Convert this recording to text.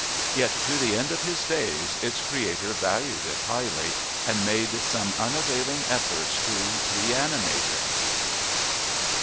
Yet to the end of his days its creator valued it highly and made some unavailing efforts to reanimate it.